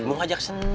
ibu belom minum